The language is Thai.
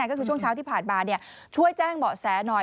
ก็คือช่วงเช้าที่ผ่านมาช่วยแจ้งเบาะแสหน่อย